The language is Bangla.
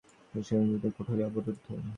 প্রবেশের দ্বার ছাড়া বাকি সমস্ত কুঠরি অবরুদ্ধ।